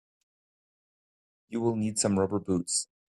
You will need some rubber boots.